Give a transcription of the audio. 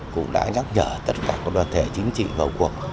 cũng đã nhắc nhở tất cả các đoàn thể chính trị vào cuộc